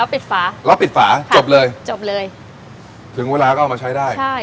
ปิดฝาแล้วปิดฝาจบเลยจบเลยถึงเวลาก็เอามาใช้ได้ใช่